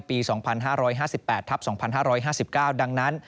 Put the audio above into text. ปี๒๕๕๘ทับ๒๕๕๙ดังนั้น